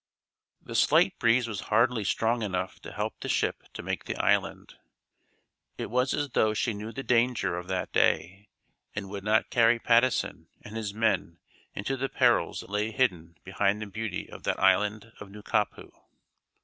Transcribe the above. The slight breeze was hardly strong enough to help the ship to make the island. It was as though she knew the danger of that day and would not carry Patteson and his men into the perils that lay hidden behind the beauty of that island of Nukapu.